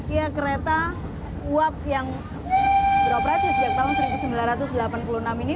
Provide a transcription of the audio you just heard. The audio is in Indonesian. ya kereta uap yang beroperasi sejak tahun seribu sembilan ratus delapan puluh enam ini